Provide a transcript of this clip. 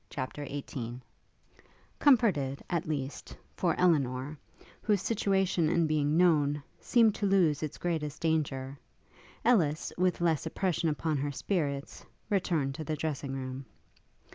CHAPTER XVIII Comforted, at least, for Elinor, whose situation in being known, seemed to lose its greatest danger, Ellis, with less oppression upon her spirits, returned to the dressing room.